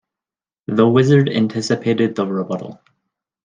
The wizard anticipated the rebuttal.